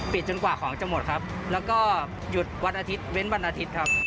จนกว่าของจะหมดครับแล้วก็หยุดวันอาทิตย์เว้นวันอาทิตย์ครับ